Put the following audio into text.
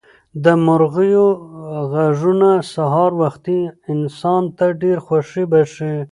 د مرغیو غږونه سهار وختي انسان ته ډېره خوښي بښي.